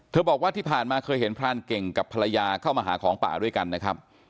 บอกว่าที่ผ่านมาเคยเห็นพรานเก่งกับภรรยาเข้ามาหาของป่าด้วยกันนะครับ